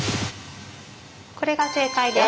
これが正解です。